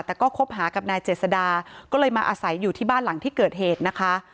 แต่ก็คบหากับนายเจษดาก็เลยมาอาศัยอยู่ที่บ้านหลังที่เกิดเหตุนะคะ